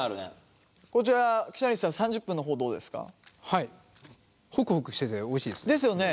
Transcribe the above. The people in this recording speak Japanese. はいホクホクしてておいしいです。ですよね。